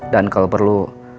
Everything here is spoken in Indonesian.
dan kalau perlu